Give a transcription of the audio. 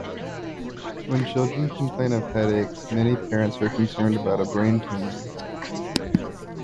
When children complain of headaches, many parents are concerned about a brain tumor.